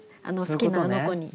好きなあの子に。